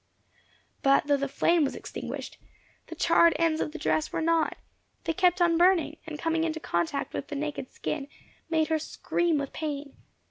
But though the flame was extinguished, the charred ends of the dress were not; they kept on burning, and coming into contact with the naked skin, made her scream with pain.